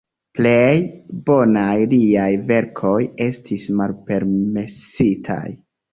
Plej bonaj liaj verkoj estis malpermesitaj.